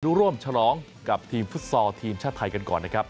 ร่วมฉลองกับทีมฟุตซอลทีมชาติไทยกันก่อนนะครับ